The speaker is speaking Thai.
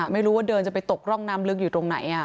ไม่รู้ว่าเดินจะไปตกร่องน้ำลึกอยู่ตรงไหน